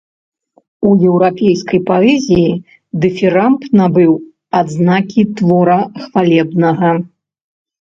У еўрапейскай паэзіі дыфірамб набыў адзнакі твора хвалебнага.